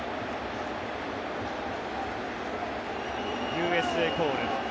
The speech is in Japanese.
ＵＳＡコール。